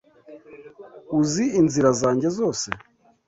Uzi inzira zanjye zose